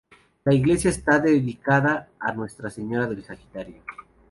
La iglesia está dedicada a Nuestra Señora del Sagrario.